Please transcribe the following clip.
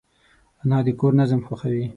انا د کور نظم خوښوي